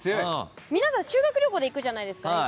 皆さん修学旅行で行くじゃないですか。